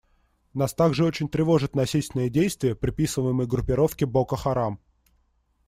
Нас также очень тревожат насильственные действия, приписываемые группировке «Боко Харам».